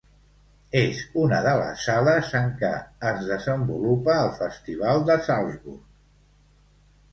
És una de les sales en què es desenvolupa el Festival de Salzburg.